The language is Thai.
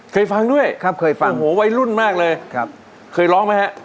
เคยฟังด้วยโหวัยรุ่นมากเลยเคยร้องไหมฮะ